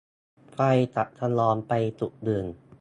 ไฟจะกระดอนไปจุดอื่น